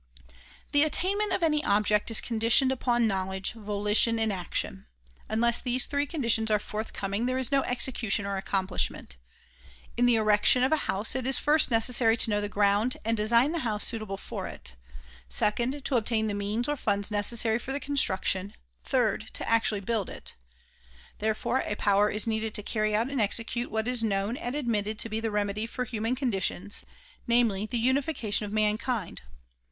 The attainment of any object is conditioned upon knowledge, volition and action. Unless these three conditions are forthcoming there is no execution or accomplishment. In the erection of a house it is first necessary to know the ground and design the house suit able for it ; second, to obtain the means or funds necessary for the construction; third, to actually build it. Therefore a power is needed to carry out and execute what is known and admitted to be the remedy for human conditions ; namely, the unification of man kind.